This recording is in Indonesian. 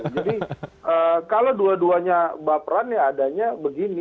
jadi kalau dua duanya baperan ya adanya begini